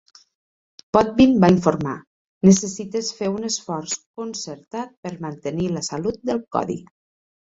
Potvin va informar, "Necessites fer un esforç concertat per mantenir la salut del codi.